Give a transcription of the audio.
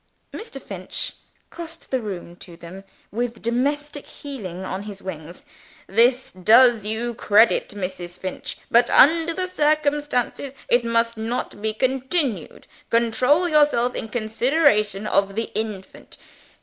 Mr. Finch crossed the room to them, with domestic healing on his wings. "This does you credit, Mrs. Finch; but, under the circumstances, it must not be continued. Control yourself, in consideration of the infant.